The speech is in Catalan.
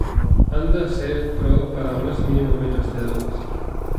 Han de ser, però, paraules mínimament esteses.